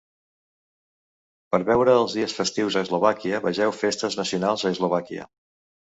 Per veure els dies festius a Eslovàquia, vegeu Festes nacionals a Eslovàquia.